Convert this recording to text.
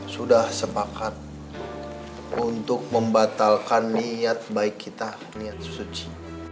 sudah sepakat untuk membatalkan niat baik kita niat suci